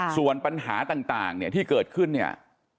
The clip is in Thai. ส่วนปัญหาต่างเนี่ยที่เกิดขึ้นเนี่ย